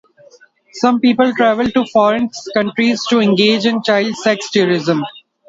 Some people travel to foreign countries to engage in child sex tourism.